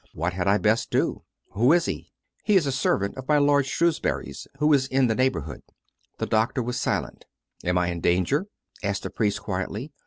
What had I best do?" "Who is he?" " He is a servant of my lord Shrewsbury's who is in the neighbourhood." The doctor was silent. " Am I in danger? " asked the priest quietly.